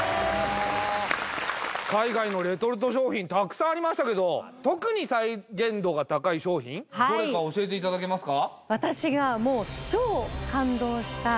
海外のレトルト商品たくさんありましたけどはいどれか教えていただけますか？